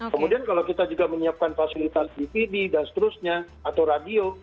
kemudian kalau kita juga menyiapkan fasilitas dpd dan seterusnya atau radio